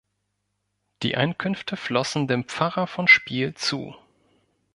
Die Einkünfte flossen dem Pfarrer von Spiel zu.